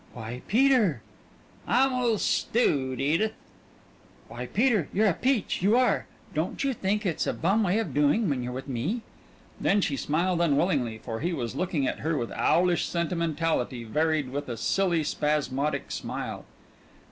"Why, Peter!" "I'm a li'l' stewed, Edith." "Why, Peter, you're a peach, you are! Don't you think it's a bum way of doing when you're with me?" Then she smiled unwillingly, for he was looking at her with owlish sentimentality varied with a silly spasmodic smile.